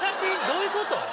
どういうこと？